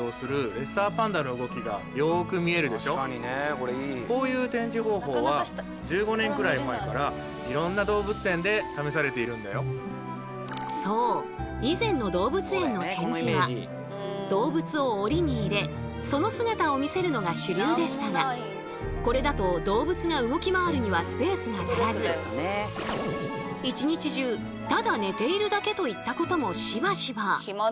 こちらは動物の展示企画やイベント執筆講演など多岐にわたって活動するそう以前の動物園の展示は動物を檻に入れその姿を見せるのが主流でしたがこれだと動物が動き回るにはスペースが足らず１日中ただ寝ているだけといったこともしばしば。